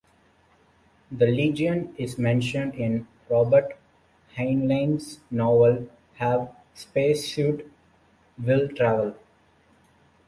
The legion is mentioned in Robert Heinlein's novel Have Space Suit - Will Travel.